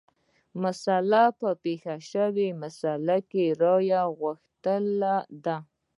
مشوره په پېښه شوې مسئله کې رايه غوښتل دي.